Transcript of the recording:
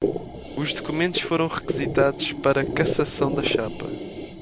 Os documentos foram requisitados para cassação da chapa